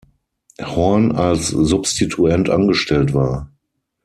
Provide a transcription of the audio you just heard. Horn als Substituent angestellt war.